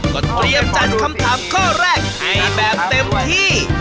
ก็เตรียมจัดคำถามข้อแรกให้แบบเต็มที่